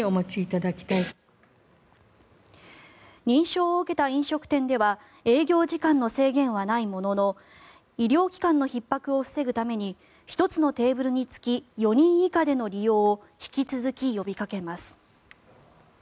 認証を受けた飲食店では営業時間の制限はないものの医療機関のひっ迫を防ぐために１つのテーブルにつき４人以下での利用を引き続き呼びかけます。